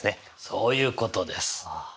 そういうことです。